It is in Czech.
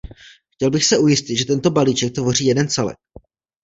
Chtěl bych se ujistit, že tento balíček tvoří jeden celek.